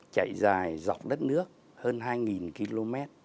chạy dài dọc đất nước hơn hai km